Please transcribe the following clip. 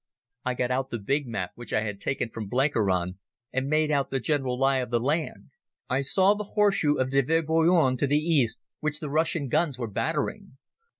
I got out the big map which I had taken from Blenkiron, and made out the general lie of the land. I saw the horseshoe of Deve Boyun to the east which the Russian guns were battering.